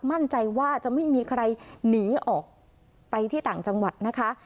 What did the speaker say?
มั่นใจว่าจะไม่มีใครหนีออกไปที่ต่างจังหวัดนะคะ